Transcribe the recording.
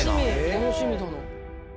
楽しみだな。